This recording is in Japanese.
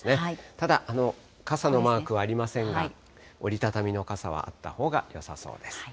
ただ、傘のマークはありませんが、折り畳みの傘はあったほうがよさそうです。